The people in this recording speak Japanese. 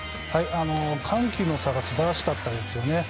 緩急の差が素晴らしかったですね。